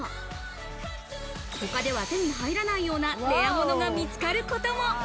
他では手に入らないようなレア物が見つかることも。